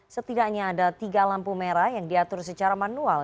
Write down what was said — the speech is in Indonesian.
setidaknya ada tiga lampu merah yang diatur secara manual